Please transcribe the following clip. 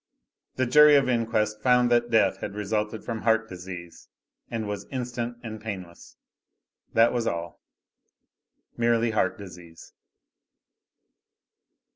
The jury of inquest found that death had resulted from heart disease, and was instant and painless. That was all. Merely heart disease.